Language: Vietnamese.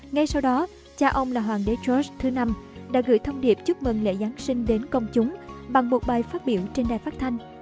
ngay sau đó cha ông là hoàng đế trust thứ năm đã gửi thông điệp chúc mừng lễ giáng sinh đến công chúng bằng một bài phát biểu trên đài phát thanh